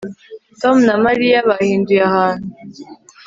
Tom na Mariya bahinduye ahantu